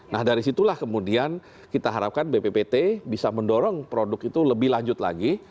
nah dari situlah kemudian kita harapkan bppt bisa mendorong produk itu lebih lanjut lagi